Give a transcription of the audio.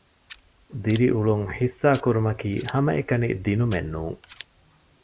ދިރިއުޅުން ޙިއްޞާކުރުމަކީ ހަމައެކަނި ދިނުމެއް ނޫން